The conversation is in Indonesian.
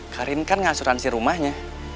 karin kan ngeasuransi rumahnya